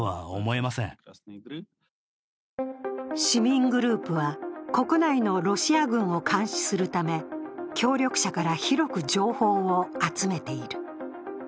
市民グループは、国内のロシア軍を監視するため協力者から広く情報を集めている。